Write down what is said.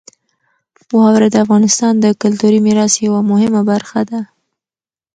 واوره د افغانستان د کلتوري میراث یوه مهمه برخه ده.